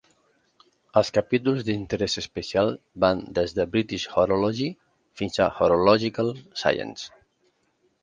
Els capítols d'interès especial van des de "British Horology" fins a "Horological Science".